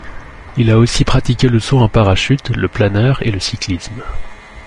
Il a aussi pratiqué le saut en parachute, le planeur, et le cyclisme.